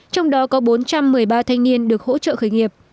trong đó có bốn trăm một mươi ba thanh niên được hỗ trợ khởi nghiệp